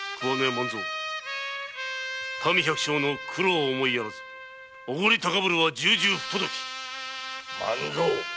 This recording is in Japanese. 万造民百姓の苦労を思いやらずおごりたかぶるは重々不届き万造